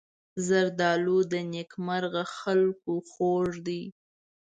زردالو د نېکمرغه خلکو خوږ دی.